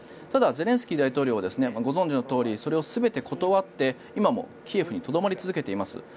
ただ、ゼレンスキー大統領はご存じのとおりそれを全て断って今もキエフにとどまり続けています。